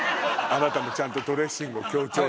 あなたもちゃんと「ドレッシング」を強調して。